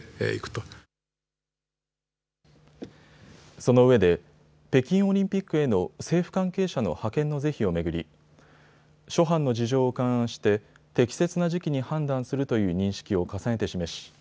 そのうえで北京オリンピックへの政府関係者の派遣の是非を巡り諸般の事情を勘案して適切な時期に判断するという認識を重ねて示し